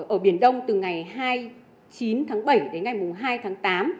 ở biển đông từ ngày hai mươi chín tháng bảy đến ngày hai tháng tám